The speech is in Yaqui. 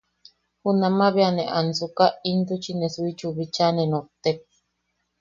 Junama bea ne ansuka intuchi ne Suichiu bicha ne nottek.